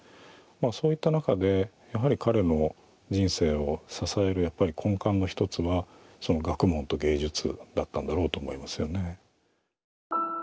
まあそういった中でやはり彼の人生を支えるやっぱり根幹の一つはその学問と芸術だったんだろうと思いますよね。